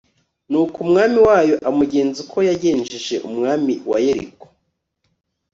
nuko umwami wayo amugenza uko yagenjeje umwami wa yeriko